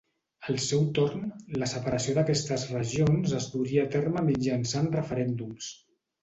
Al seu torn, la separació d'aquestes regions es duria a terme mitjançant referèndums.